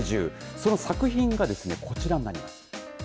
その作品がですねこちらになります。